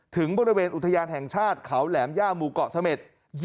ถึงบริเวณอุทยานแห่งชาติเขาแหลมย่าหมู่เกาะเสม็ด